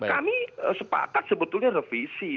kami sepakat sebetulnya revisi